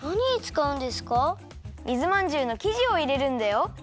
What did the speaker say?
水まんじゅうのきじをいれるんだよ。